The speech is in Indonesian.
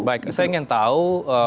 baik saya ingin tahu